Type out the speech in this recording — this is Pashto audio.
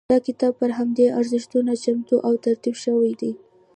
دا کتاب پر همدې ارزښتونو چمتو او ترتیب شوی دی.